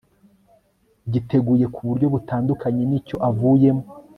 giteguye kuburyo butandukanye n'icyo avuyemo